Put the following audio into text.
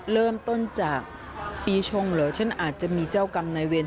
เริ่มต้นจากปีชงเหรอฉันอาจจะมีเจ้ากรรมนายเวร